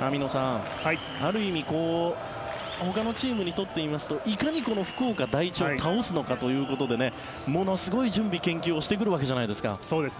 網野さん、ある意味ほかのチームにとってみますといかに福岡第一を倒すのかということでものすごい準備、研究をしてくるわけじゃないですか。